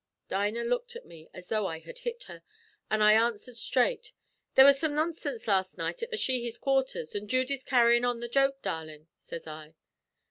"Dinah looked at me as though I had hit her, an' I answered straight: "'There was some nonsinse last night at the Sheehys' quarthers, an' Judy's carryin' on the joke, darlin',' sez I.